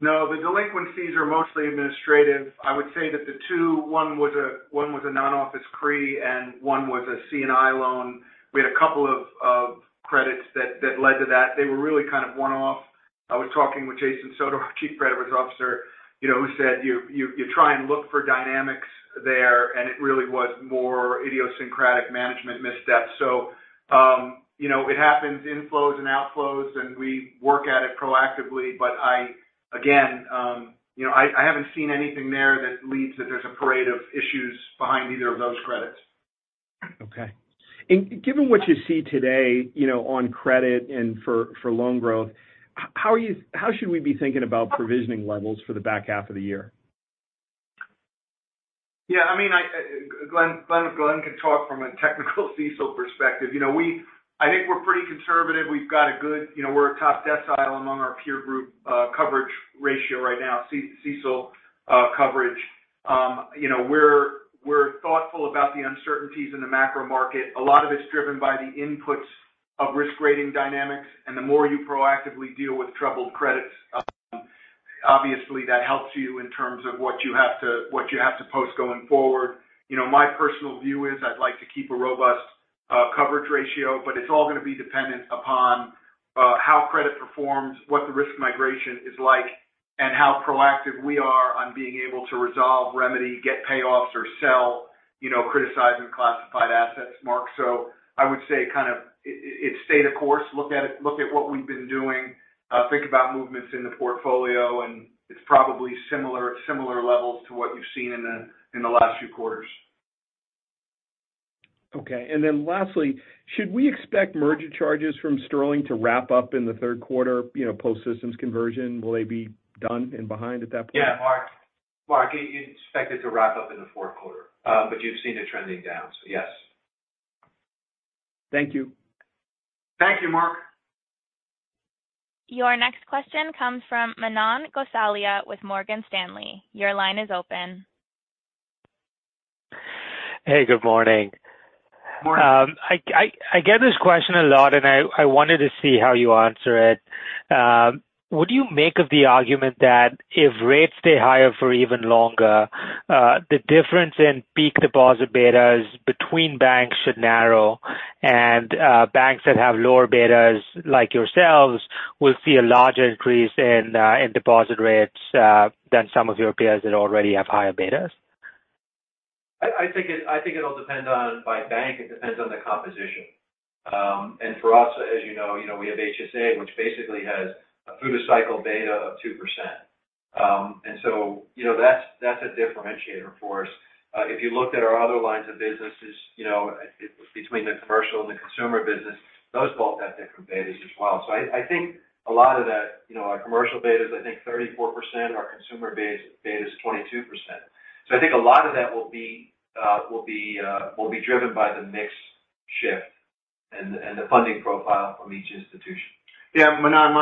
The delinquencies are mostly administrative. I would say that the two, one was a non-office CRE and one was a C&I loan. We had a couple of credits that led to that. They were really kind of one-off. I was talking with Jason Soto, our Chief Credit Risk Officer, you know, who said, you try and look for dynamics there, and it really was more idiosyncratic management missteps. You know, it happens, inflows and outflows, and we work at it proactively. I, again, you know, I haven't seen anything there that leads that there's a parade of issues behind either of those credits. Okay. Given what you see today, you know, on credit and for loan growth, how should we be thinking about provisioning levels for the back half of the year? I mean, Glenn can talk from a technical CECL perspective. You know, I think we're pretty conservative. We've got a good, you know, we're a top decile among our peer group, coverage ratio right now, CECL coverage. You know, we're thoughtful about the uncertainties in the macro market. A lot of it's driven by the inputs of risk rating dynamics. The more you proactively deal with troubled credits, obviously, that helps you in terms of what you have to, what you have to post going forward. You know, my personal view is I'd like to keep a robust coverage ratio, but it's all going to be dependent upon how credit performs, what the risk migration is like, and how proactive we are on being able to resolve, remedy, get payoffs, or sell, you know, criticized and classified assets, Mark. I would say kind of it's state of course, look at it, look at what we've been doing, think about movements in the portfolio, and it's probably similar levels to what you've seen in the last few quarters. Okay. Lastly, should we expect merger charges from Sterling to wrap up in the third quarter, you know, post-systems conversion? Will they be done and behind at that point? Yeah. Mark, you expect it to wrap up in the fourth quarter, but you've seen it trending down, yes. Thank you. Thank you, Mark. Your next question comes from Manan Gosalia with Morgan Stanley. Your line is open. Hey, good morning. Morning. I get this question a lot, and I wanted to see how you answer it. What do you make of the argument that if rates stay higher for even longer, the difference in peak deposit betas between banks should narrow, and banks that have lower betas, like yourselves, will see a larger increase in deposit rates than some of your peers that already have higher betas? I think it all depends on by bank, it depends on the composition. For us, as you know, we have HSA, which basically has a through the cycle beta of 2%. you know, that's a differentiator for us. If you looked at our other lines of businesses, you know, between the commercial and the consumer business, those both have different betas as well. I think a lot of that, you know, our commercial beta is, I think, 34%. Our consumer base beta is 22%. I think a lot of that will be driven by the mix shift and the funding profile from each institution. Yeah, Manan,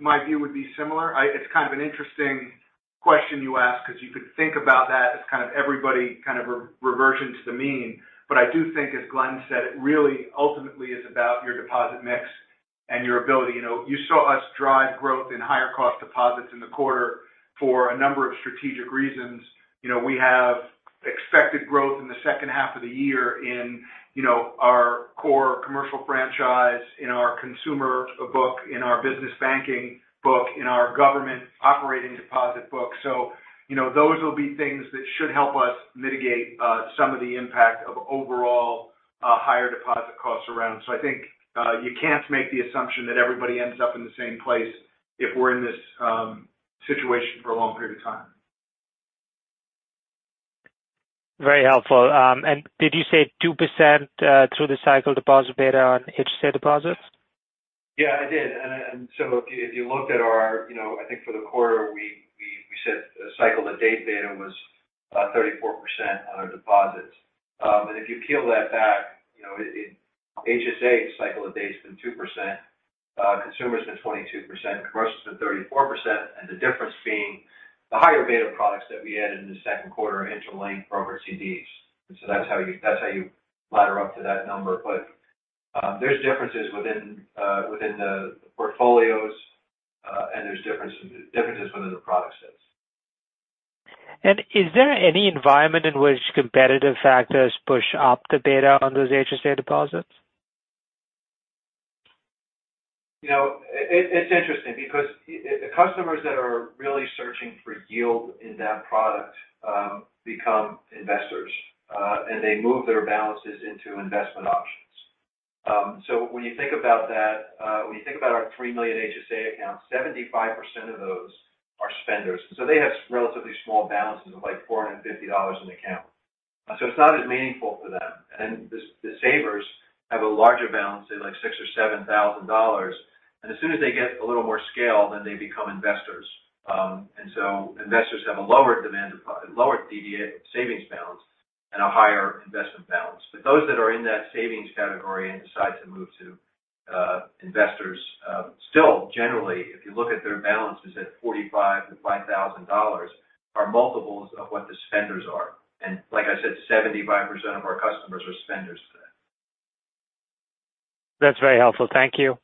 my view would be similar. It's kind of an interesting question you ask, because you could think about that as kind of everybody kind of reversion to the mean. I do think, as Glenn said, it really ultimately is about your deposit mix and your ability. You know, you saw us drive growth in higher cost deposits in the quarter for a number of strategic reasons. You know, we have expected growth in the second half of the year in, you know, our core commercial franchise, in our consumer book, in our business banking book, in our government operating deposit book. You know, those will be things that should help us mitigate some of the impact of overall higher deposit costs around. I think, you can't make the assumption that everybody ends up in the same place if we're in this, situation for a long period of time. Very helpful. Did you say 2%, through the cycle deposit beta on HSA deposits? Yeah, I did. If you looked at our, you know, I think for the quarter, we said the cycle to date data was 34% on our deposits. If you peel that back, you know, in HSA, cycle to date's been 2%, consumer's been 22%, commercial's been 34%. The difference being the higher beta products that we added in the second quarter are interLINK broker CDs. That's how you ladder up to that number. There's differences within the portfolios, and there's differences within the product sets. Is there any environment in which competitive factors push up the beta on those HSA deposits? You know, it's interesting because the customers that are really searching for yield in that product become investors, and they move their balances into investment options. When you think about that, when you think about our 3 million HSA accounts, 75% of those are spenders. They have relatively small balances of, like, $450 in account. It's not as meaningful for them. The, the savers have a larger balance of, like, $6,000-$7,000. As soon as they get a little more scale, they become investors. Investors have a lower demand, lower DDA savings balance and a higher investment balance. Those that are in that savings category and decide to move to investors, still, generally, if you look at their balances at $45-$5,000, are multiples of what the spenders are. Like I said, 75% of our customers are spenders today. That's very helpful. Thank you.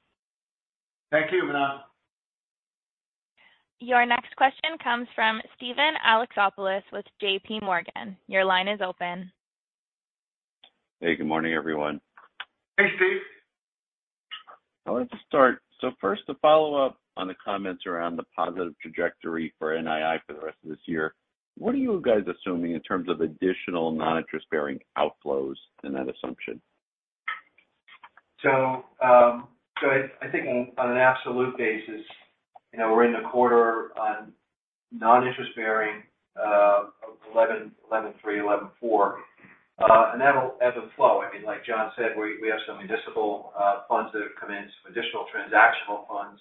Thank you, Manan. Your next question comes from Steven Alexopoulos with JPMorgan. Your line is open. Hey, good morning, everyone. Hey, Steve. I wanted to start. First, to follow up on the comments around the positive trajectory for NII for the rest of this year, what are you guys assuming in terms of additional non-interest-bearing outflows in that assumption? I think on an absolute basis, you know, we're in the quarter on non-interest bearing, 11.3, 11.4. That'll as a flow, I mean, like John said, we have some municipal funds that have come in, some additional transactional funds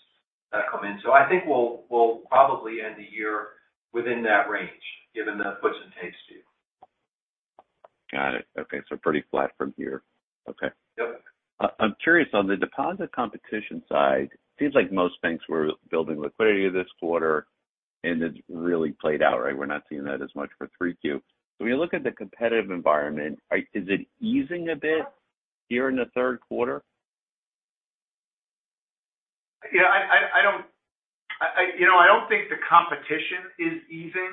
that come in. I think we'll probably end the year within that range, given the puts and takes, too. Got it. Okay, pretty flat from here. Okay. Yep. I'm curious, on the deposit competition side, seems like most banks were building liquidity this quarter, and it's really played out, right? We're not seeing that as much for Q3. When you look at the competitive environment, is it easing a bit here in the third quarter? Yeah, I, you know, I don't think the competition is easing.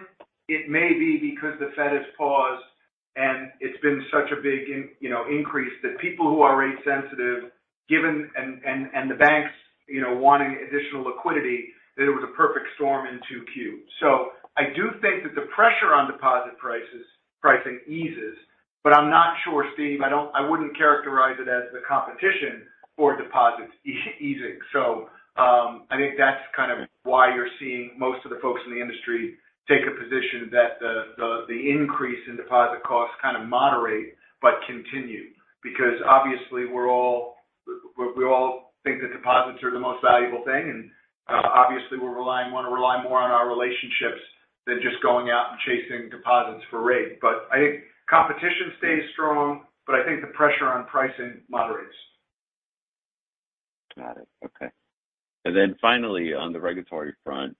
It may be because the Fed has paused, and it's been such a big, you know, increase that people who are rate sensitive, given and the banks, you know, wanting additional liquidity, that it was a perfect storm in Q2. I do think that the pressure on deposit prices, pricing eases, but I'm not sure, Steve, I wouldn't characterize it as the competition for deposits easing. I think that's kind of why you're seeing most of the folks in the industry take a position that the increase in deposit costs kind of moderate but continue. Obviously, we all think that deposits are the most valuable thing, and obviously, we're relying, want to rely more on our relationships than just going out and chasing deposits for rate. I think competition stays strong, but I think the pressure on pricing moderates. Got it. Okay. Finally, on the regulatory front.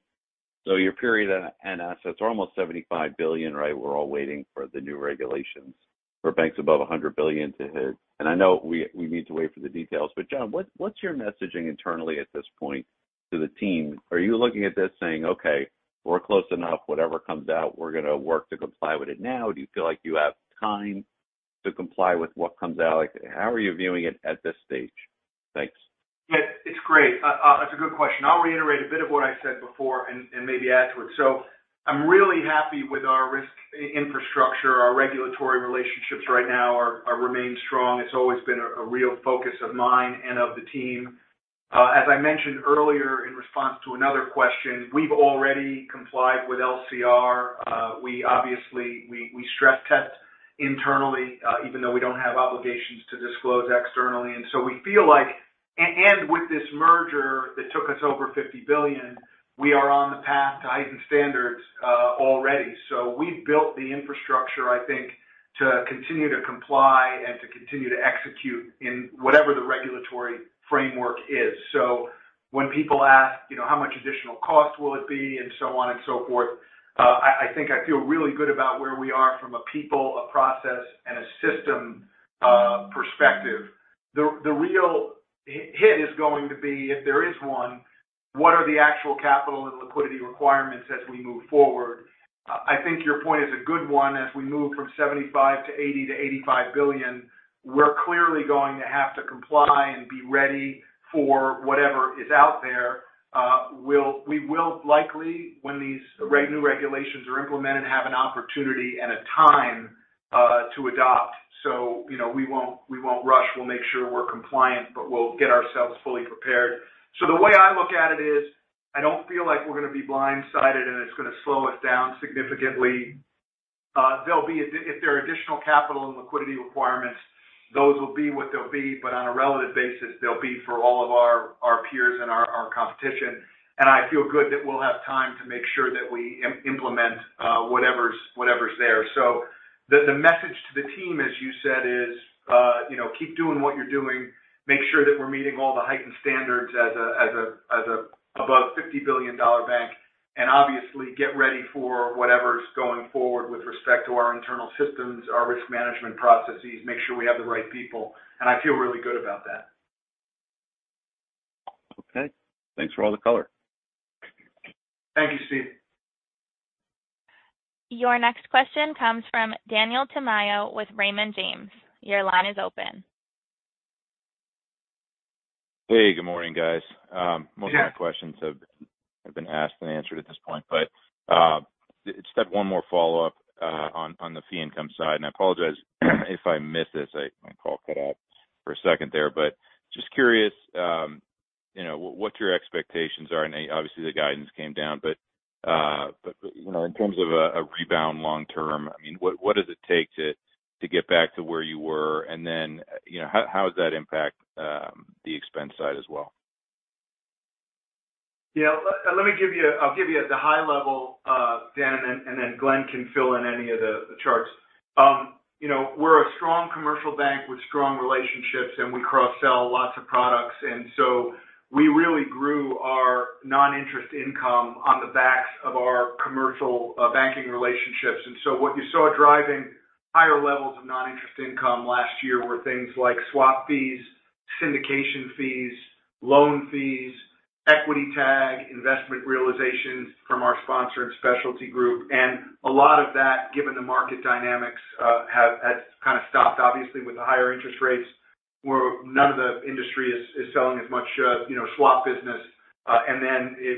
Your period and assets are almost $75 billion, right? We're all waiting for the new regulations for banks above $100 billion to hit. I know we need to wait for the details, but John, what's your messaging internally at this point to the team? Are you looking at this saying, "Okay, we're close enough. Whatever comes out, we're going to work to comply with it." Now, do you feel like you have time to comply with what comes out? Like, how are you viewing it at this stage? Thanks. Yeah, it's great. That's a good question. I'll reiterate a bit of what I said before and maybe add to it. I'm really happy with our risk infrastructure. Our regulatory relationships right now are remaining strong. It's always been a real focus of mine and of the team. As I mentioned earlier in response to another question, we've already complied with LCR. We obviously, we stress test internally, even though we don't have obligations to disclose externally. We feel with this merger that took us over $50 billion, we are on the path to heightened standards already. We've built the infrastructure, I think, to continue to comply and to continue to execute in whatever the regulatory framework is. When people ask, you know, how much additional cost will it be? On and so forth, I think I feel really good about where we are from a people, a process, and a system perspective. The real hit is going to be, if there is one, what are the actual capital and liquidity requirements as we move forward? I think your point is a good one. As we move from $75 billion–$80 billion to $85 billion, we're clearly going to have to comply and be ready for whatever is out there. We will likely, when these new regulations are implemented, have an opportunity and a time to adopt. You know, we won't, we won't rush. We'll make sure we're compliant, but we'll get ourselves fully prepared. The way I look at it is, I don't feel like we're going to be blindsided, and it's going to slow us down significantly. There'll be if there are additional capital and liquidity requirements, those will be what they'll be, but on a relative basis, they'll be for all of our peers and our competition. I feel good that we'll have time to make sure that we implement whatever's there. The message to the team, as you said, is, you know, keep doing what you're doing. Make sure that we're meeting all the heightened standards as a above 50 billion dollar bank, obviously get ready for whatever's going forward with respect to our internal systems, our risk management processes, make sure we have the right people, I feel really good about that. Okay. Thanks for all the color. Thank you, Steve. Your next question comes from Daniel Tamayo with Raymond James. Your line is open. Hey, good morning, guys. Yes. Most of my questions have been asked and answered at this point. Just have one more follow-up on the fee income side, and I apologize if I missed this. My call cut out for a second there. Just curious, you know, what your expectations are, and obviously, the guidance came down, but, you know, in terms of a rebound long term, I mean, what does it take to get back to where you were? Then, you know, how does that impact the expense side as well? Yeah, let me give you at the high level, Dan, and then Glenn can fill in any of the charts. You know, we're a strong commercial bank with strong relationships, and we cross-sell lots of products, and so we really grew our non-interest income on the backs of our commercial banking relationships. What you saw driving higher levels of non-interest income last year were things like swap fees, syndication fees, loan fees, equity kicker, investment realizations from our sponsor and specialty group. A lot of that, given the market dynamics, has kind of stopped. Obviously, with the higher interest rates, where none of the industry is selling as much, you know, swap business.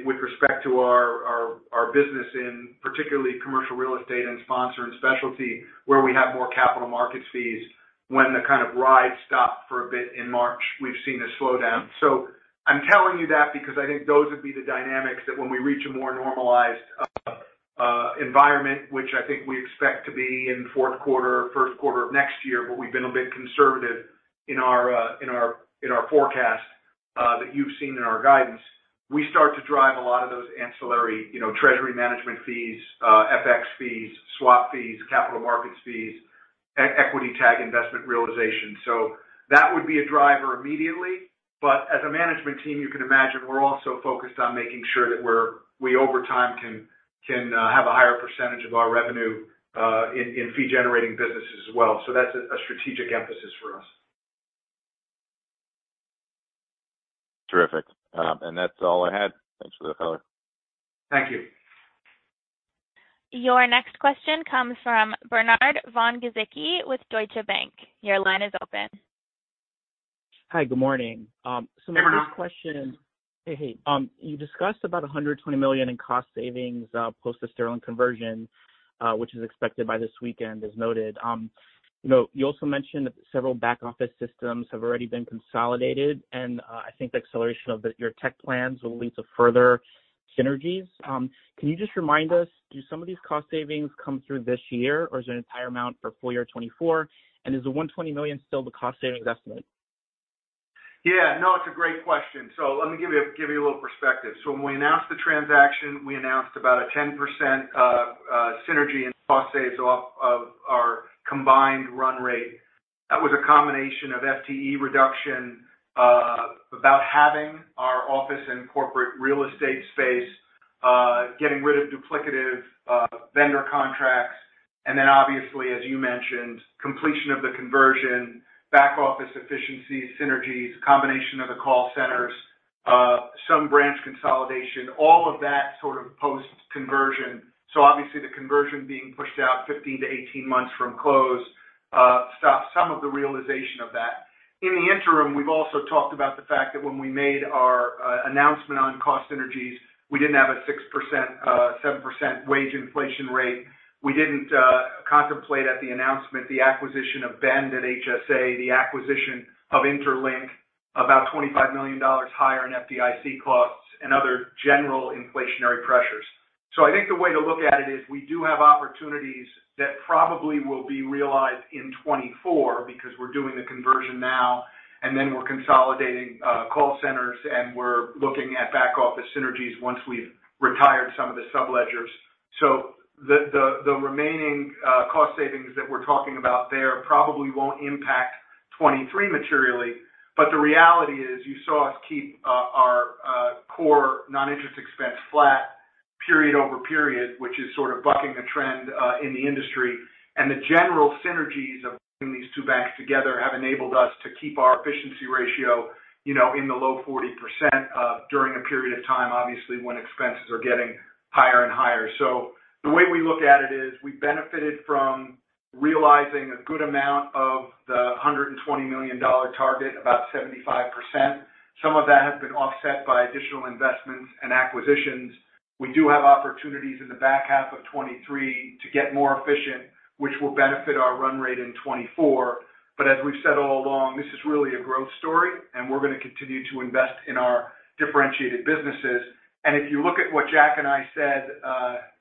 With respect to our business in particularly commercial real estate and sponsor and specialty, where we have more capital market fees, when the kind of ride stopped for a bit in March, we've seen a slowdown. I'm telling you that because I think those would be the dynamics that when we reach a more normalized environment, which I think we expect to be in the fourth quarter or first quarter of next year, but we've been a bit conservative in our forecast that you've seen in our guidance. We start to drive a lot of those ancillary, you know, treasury management fees, FX fees, swap fees, capital markets fees, e-equity kicker investment realization. That would be a driver immediately. As a management team, you can imagine, we're also focused on making sure that we, over time, can have a higher percentage of our revenue, in fee-generating businesses as well. That's a strategic emphasis for us. Terrific. That's all I had. Thanks for the color. Thank you. Your next question comes from Bernard von Gizycki with Deutsche Bank. Your line is open. Hi, good morning. Good morning. My next question. You discussed about $120 million in cost savings post the Sterling conversion, which is expected by this weekend, as noted. You know, you also mentioned that several back office systems have already been consolidated, and I think the acceleration of your tech plans will lead to further synergies. Can you just remind us, do some of these cost savings come through this year, or is it an entire amount for full year 2024? Is the $120 million still the cost savings estimate? Yeah, no, it's a great question. Let me give you a little perspective. When we announced the transaction, we announced about a 10% synergy in cost saves off of our combined run rate. That was a combination of FTE reduction, about halving our office and corporate real estate space, getting rid of duplicative vendor contracts, and then obviously, as you mentioned, completion of the conversion, back office efficiency, synergies, combination of the call centers, some branch consolidation, all of that sort of post-conversion. Obviously, the conversion being pushed out 15 to 18 months from close, stopped some of the realization of that. In the interim, we've also talked about the fact that when we made our announcement on cost synergies, we didn't have a 6%, 7% wage inflation rate. We didn't contemplate at the announcement, the acquisition of Bend and HSA, the acquisition of interLINK, about $25 million higher in FDIC costs and other general inflationary pressures. I think the way to look at it is we do have opportunities that probably will be realized in 2024 because we're doing the conversion now, and then we're consolidating call centers, and we're looking at back-office synergies once we've retired some of the subledgers. The remaining cost savings that we're talking about there probably won't impact 2023 materially. The reality is, you saw us keep our core non-interest expense flat period-over-period, which is sort of bucking the trend in the industry. The general synergies of putting these two banks together have enabled us to keep our efficiency ratio, you know, in the low 40%, during a period of time, obviously, when expenses are getting higher and higher. The way we look at it is we benefited from realizing a good amount of the $120 million target, about 75%. Some of that has been offset by additional investments and acquisitions. We do have opportunities in the back half of 2023 to get more efficient, which will benefit our run rate in 2024. As we've said all along, this is really a growth story, and we're going to continue to invest in our differentiated businesses. If you look at what Jack and I said,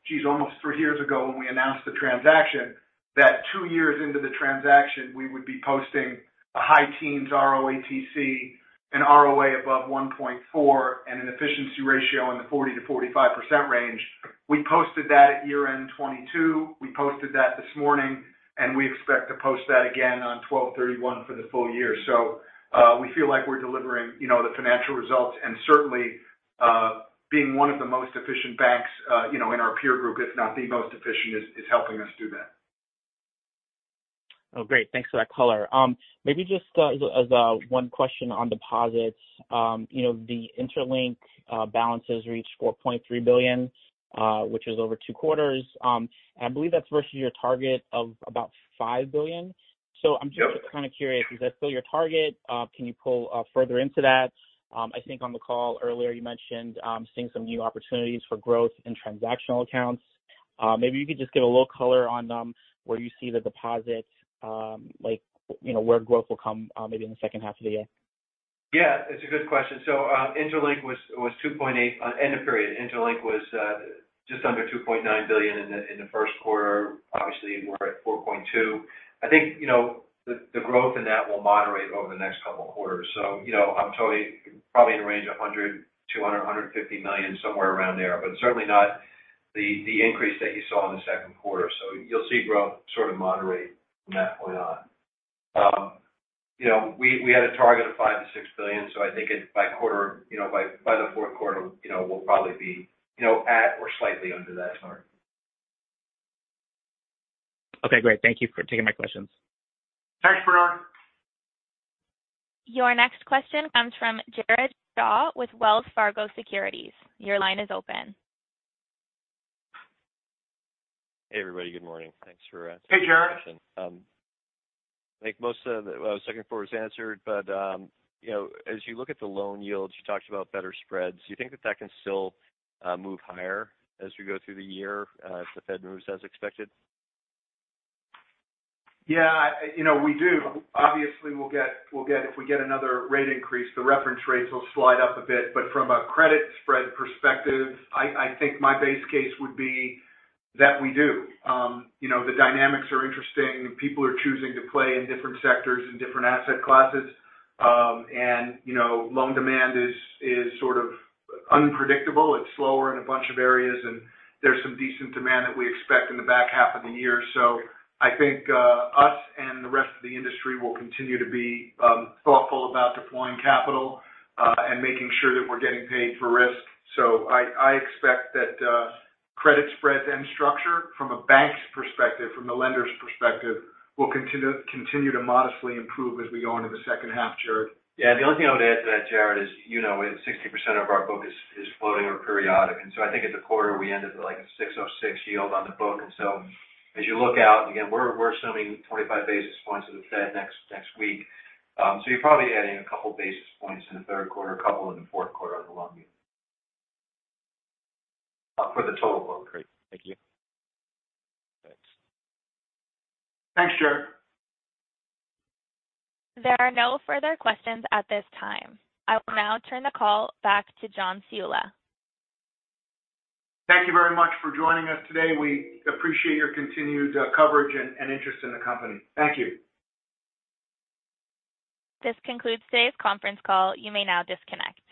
geez, almost 3 years ago when we announced the transaction, that 2 years into the transaction, we would be posting a high-teens ROATC, an ROA above 1.4, and an efficiency ratio in the 40%-45% range. We posted that at year-end 2022. We posted that this morning, and we expect to post that again on 12/31 for the full year. We feel like we're delivering, you know, the financial results, and certainly, being one of the most efficient banks, you know, in our peer group, if not the most efficient, is helping us do that. Oh, great. Thanks for that color. Maybe just, as, one question on deposits. You know, the interLINK balances reached $4.3 billion, which is over two quarters. I believe that's versus your target of about $5 billion. Yep. I'm just kind of curious, is that still your target? Can you pull further into that? I think on the call earlier, you mentioned seeing some new opportunities for growth in transactional accounts. Maybe you could just give a little color on where you see the deposits, like, you know, where growth will come maybe in the second half of the year. Yeah, it's a good question. interLINK was on end of period, interLINK was just under $2.9 billion in the first quarter. Obviously, we're at $4.2 billion. I think, you know, the growth in that will moderate over the next couple of quarters. you know, I'm totally probably in a range of $100, $200, $150 million, somewhere around there, but certainly not the increase that you saw in the second quarter. You'll see growth sort of moderate from that point on. you know, we had a target of $5 billion-$6 billion, so I think it by quarter, you know, by the fourth quarter, you know, we'll probably be, you know, at or slightly under that target. Okay, great. Thank you for taking my questions. Thanks, Bernard. Your next question comes from Jared Shaw with Wells Fargo Securities. Your line is open. Hey, everybody. Good morning. Thanks for answering- Hey, Jared. I think most of what I was looking for was answered, but, you know, as you look at the loan yields, you talked about better spreads. Do you think that that can still move higher as we go through the year, if the Fed moves as expected? Yeah, you know, we do. Obviously, we'll get if we get another rate increase, the reference rates will slide up a bit. From a credit spread perspective, I think my base case would be that we do. You know, the dynamics are interesting. People are choosing to play in different sectors and different asset classes. And, you know, loan demand is sort of unpredictable. It's slower in a bunch of areas, and there's some decent demand that we expect in the back half of the year. I think us and the rest of the industry will continue to be thoughtful about deploying capital and making sure that we're getting paid for risk. I expect that credit spreads and structure from a bank's perspective, from the lender's perspective, will continue to modestly improve as we go into the second half, Jared. Yeah, the only thing I would add to that, Jared, is, you know, 60% of our book is floating or periodic. I think at the quarter, we ended at, like, a 6.06% yield on the book. As you look out, again, we're assuming 25 basis points of the Fed next week. So you're probably adding a couple basis points in the third quarter, a couple in the fourth quarter on the loan yield for the total book. Great. Thank you. Thanks. Thanks, Jared. There are no further questions at this time. I will now turn the call back to John Ciulla. Thank you very much for joining us today. We appreciate your continued coverage and interest in the company. Thank you. This concludes today's conference call. You may now disconnect.